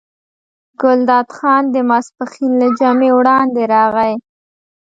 ګلداد خان د ماسپښین له جمعې وړاندې راغی.